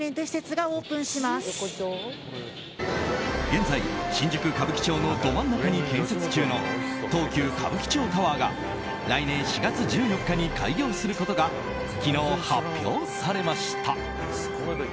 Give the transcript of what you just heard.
現在、新宿・歌舞伎町のど真ん中に建設中の東急歌舞伎町タワーが来年４月１４日に開業することが昨日、発表されました。